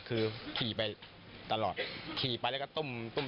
คือขี่ไปตลอดขี่ไปแล้วก็ตุ้มตุ้ม